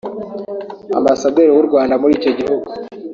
Ambasaderi w’u Rwanda muri icyo gihugu